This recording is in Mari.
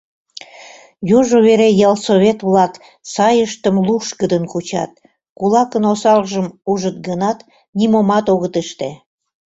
Южо вере ялсовет-влак сайыштым лушкыдын кучат, кулакын осалжым ужыт гынат, нимомат огыт ыште.